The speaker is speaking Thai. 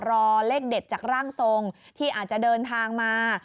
รอเลขเด็ดจากร่างทรงที่อาจจะเดินทางมา